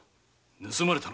盗まれた？